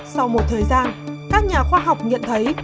sau một thời gian các nhà khoa học nhận thấy